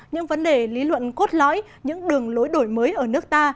những vấn đề lý luận cốt lõi những đường lối đổi mới ở nước ta